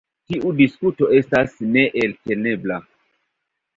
Tiu diskuto estas neeltenebla.